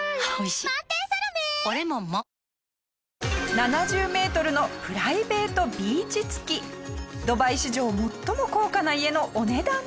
７０メートルのプライベートビーチ付きドバイ史上最も高価な家のお値段とは？